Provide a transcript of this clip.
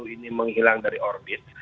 ini menghilang dari orbit